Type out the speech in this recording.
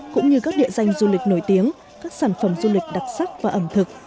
cũng như các địa danh du lịch nổi tiếng các sản phẩm du lịch đặc sắc và ẩm thực